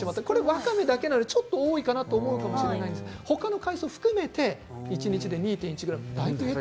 わかめだけだとちょっと多いかもしれないと思うかもしれませんが他の海藻も含めて一日で２．１ｇ。